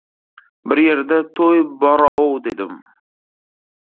Bir yerda to‘y bor-ov, dedim.